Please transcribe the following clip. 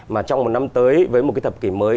mà trong một năm tới với một cái thập kỷ mới